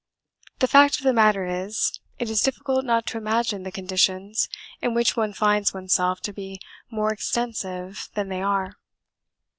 The fact of the matter is, it is difficult not to imagine the conditions in which one finds oneself to be more extensive than they are.